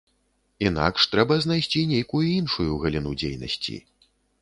Інакш трэба знайсці нейкую іншую галіну дзейнасці.